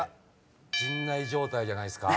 陣内状態じゃないっすか。